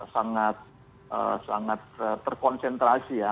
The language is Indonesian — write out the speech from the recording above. sangat terkonsentrasi ya